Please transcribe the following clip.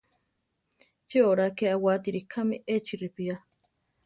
Chi oraa ké awátiri kame echi ripigá?